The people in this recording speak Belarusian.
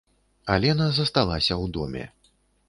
Алена засталася ў доме.